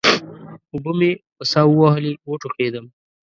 اوبه مې په سا ووهلې؛ وټوخېدم.